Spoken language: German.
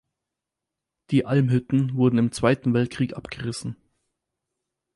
Die Almhütten wurden im Zweiten Weltkrieg abgerissen.